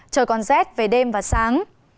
trời còn rét về đêm và sáng